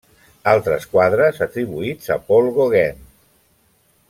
Altres quadres atribuïts a Paul Gauguin.